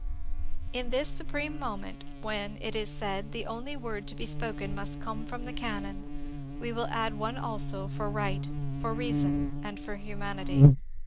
In this supreme moment, when, it is said, the only word to be spoken must come from the cannon, we will add one also for right, for reason, and for humanity.